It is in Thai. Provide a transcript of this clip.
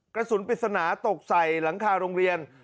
กระสุนปริศนาตกใส่หลังคาโรงเรียน